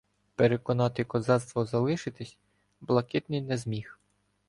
Переконати козацтво залишитися Блакитний не зміг.